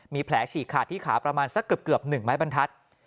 มีแผลฉีกขาดที่ขาประมาณสักเกือบ๑ไม้บรรทัศน์